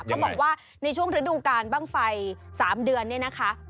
เขาบอกว่าในช่วงฤดูการบ้างไฟ๓เดือนเนี่ยนะคะ